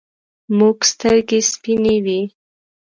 موږک سترگې سپینې وې.